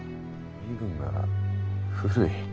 身分が古い？